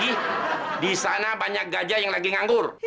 di sana banyak gajah yang lagi nganggur